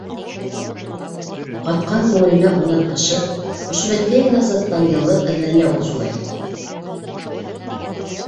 Ҡатҡан күңеленә унан ышыҡ, ошо бәләкәй генә заттан йылылыҡ эҙләне ул шулай.